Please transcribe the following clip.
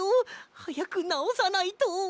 はやくなおさないと。